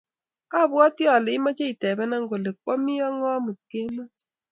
Abwoti ale imoche itebenaa kole kwamii ak ng'o amut kemoi